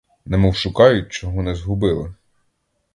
Немов шукають, чого не згубили.